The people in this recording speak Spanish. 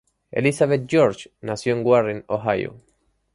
Elizabeth George nació en Warren, Ohio.